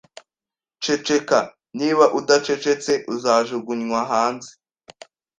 Ceceka. Niba udacecetse, uzajugunywa hanze